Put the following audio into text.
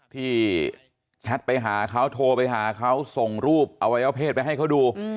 แชทไปหาเขาโทรไปหาเขาส่งรูปอวัยวะเพศไปให้เขาดู